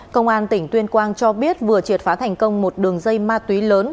công an tỉnh tuyên quang cho biết vừa triệt phá thành công một đường dây ma túy lớn